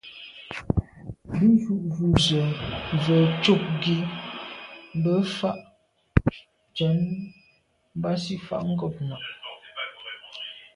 Bí jú’ jú zə̄ mvə̌ cúp gí mbə́ fǎ cwɛ̀d mbásì fàá’ ngômnâ’.